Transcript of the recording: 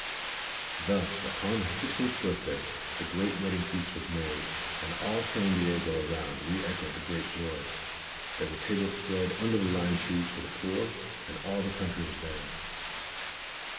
Thus, upon her sixteenth birthday, the great wedding feast was made, and all San Diego around re echoed the great joy. There were tables spread under the lime trees for the poor, and all the country was there.